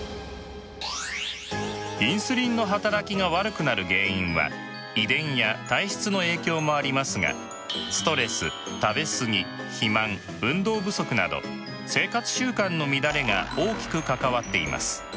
インスリンの働きが悪くなる原因は遺伝や体質の影響もありますがストレス食べ過ぎ肥満運動不足など生活習慣の乱れが大きく関わっています。